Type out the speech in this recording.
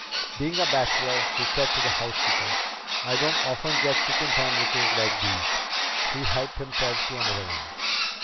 "Being a bachelor," he said to the housekeeper, "I don't often get chicken sandwiches like these." He helped himself to another one.